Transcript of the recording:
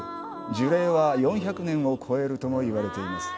樹齢は４００年を超えるともいわれています。